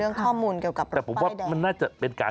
เรื่องข้อมูลเกี่ยวกับป้ายแดง